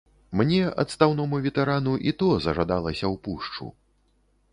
Мне, адстаўному ветэрану, і то зажадалася ў пушчу.